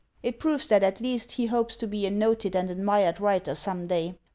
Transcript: It proves that at least he hopes to be a noted and admired writer some day.